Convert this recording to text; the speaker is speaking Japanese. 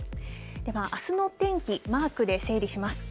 では、あすの天気、マークで整理します。